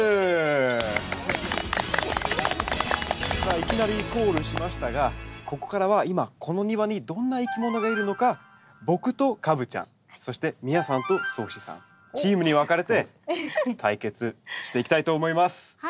いきなりコールしましたがここからは今この庭にどんないきものがいるのか僕とカブちゃんそして美耶さんと蒼士さんチームに分かれて対決していきたいと思います。